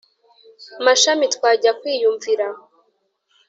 mashami twajya kwiyumvira